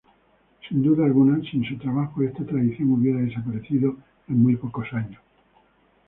Sin duda alguna sin su trabajo esta tradición hubiera desaparecido en muy pocos años.